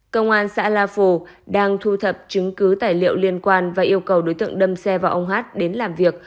công an xã la phù đang thu thập chứng cứ tài liệu liên quan và yêu cầu đối tượng đâm xe vào ông hát đến làm việc